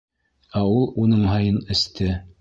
Ә ул уның һайын эсте.